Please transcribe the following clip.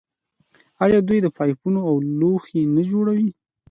آیا دوی پایپونه او لوښي نه جوړوي؟